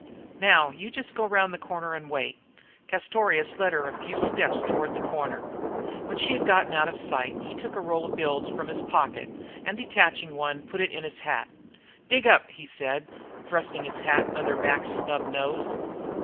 "Now, you just go around the corner and wait." Castorious led her a few steps toward the corner. When she had gotten out of sight he took a roll of bills from his pocket, and detaching one, put it in his hat. "Dig up," he said, thrusting the hat under Mac's snub nose.